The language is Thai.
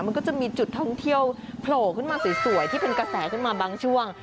มันก็จะมีจุดท่องเที่ยวโผล่ขึ้นมาสวยที่เป็นกระแสขึ้นมาบางช่วง